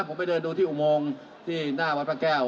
ผมไปเดินดูที่อุโมงที่หน้าวัดพระแก้ว